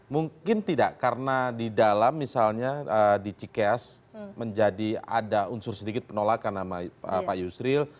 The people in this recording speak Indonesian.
mungkin tidak karena di dalam misalnya di cikeas menjadi ada unsur sedikit penolakan sama pak yusril